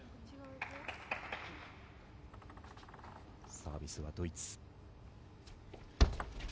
サービスはドイツ。